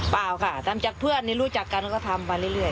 เปล่าค่ะทำจากเพื่อนรู้จักกันก็ทำไปเรื่อย